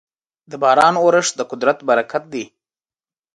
د باران اورښت د قدرت برکت دی.